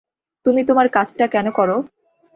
তুমি তোমার কাজটা কেন করো?